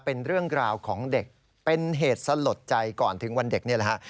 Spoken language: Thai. เป็นเรื่องราวของเด็กเป็นเหตุสลดใจก่อนถึงวันเด็กนี่แหละฮะ